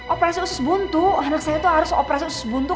operasi usus buntu anak saya itu harus operasi usus buntu